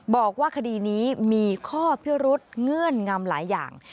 บอกว่าคดีนี้มีข้อพิรุษเงื่อนงำหลายอย่าง